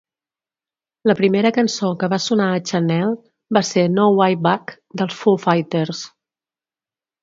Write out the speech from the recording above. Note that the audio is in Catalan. La primera cançó que va sonar a Channel va ser "No Way Back", dels Foo Fighters.